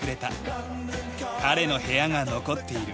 彼の部屋が残っている。